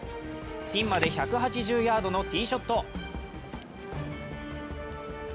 ピンまで１８０ヤードのティーショット。